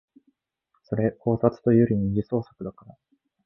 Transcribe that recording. それ考察というより二次創作だから